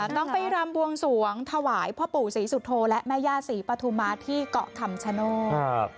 ต้องไปรำบวงสวงถวายพ่อปู่ศรีสุโธและแม่ย่าศรีปฐุมาที่เกาะคำชโนธ